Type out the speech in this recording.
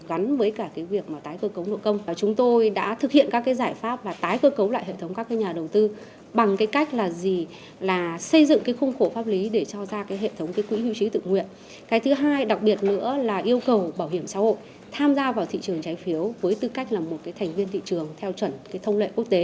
ảnh hưởng đến tính bền vững nợ công